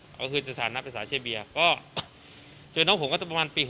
ก็คือสถานะภาษาเชเบียก็เจอน้องผมก็จะประมาณปี๖๐